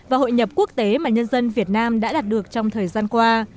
và hội nhập quốc tế mà nhân dân việt nam đã đạt được trong thời gian qua